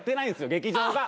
劇場が。